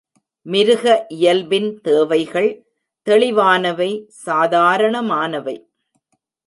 மிருக இயல்பின் தேவைகள் தெளிவானவை சாதாரணமானவை.